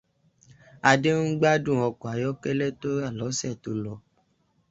Adé ń gbádùn ọkọ ayọ́kẹ́lẹ́ tó rà lọ́sẹ̀ tó lọ.